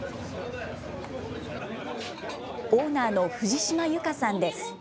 オーナーの藤嶋由香さんです。